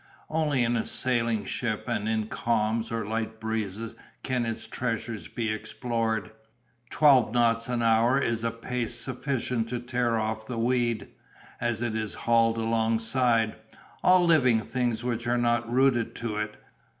Only in a sailing ship and in calms or light breezes can its treasures be explored. Twelve knots an hour is a pace sufficient to tear off the weed, as it is hauled alongside, all living things which are not rooted to it.